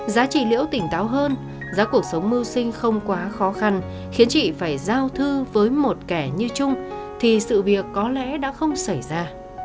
giá trị liễu tỉnh táo hơn giá cuộc sống mưu sinh không quá khó khăn khiến chị phải giao thư với một kẻ như chung thì sự việc có lẽ đã không xảy ra